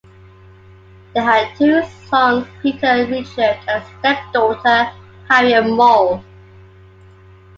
They had two sons, Peter and Richard, and a stepdaughter, Harriet Mull.